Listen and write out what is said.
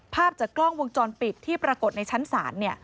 ภาพจากกล้องวงจรปิดที่ปรากฏในชั้นศาล